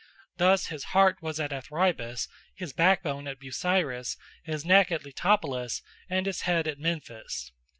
Thus his heart was at Athribis, his backbone at Busiris, his neck at Letopolis, and his head at Memphis.